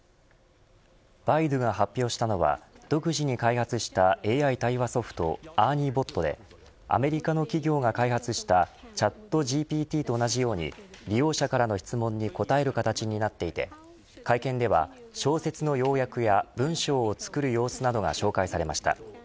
百度が発表したのは独自に開発したＡＩ対話ソフトアーニー・ボットでアメリカの企業が開発したＣｈａｔＧＰＴと同じように利用者からの質問に答える形になっていて会見では小説の要約や文章を作る様子などが紹介されました。